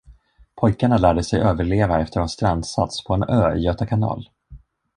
Pojkarna lärde sig överleva efter att ha strandsatts på en ö i Göta kanal.